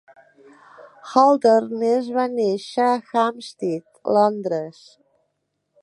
Holderness va néixer a Hampstead, Londres.